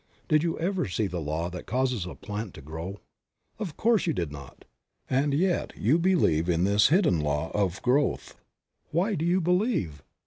Did you ever see the law that causes a plant to grow? Of course you did not, and yet you believe in this hidden law of growth. Why do you believe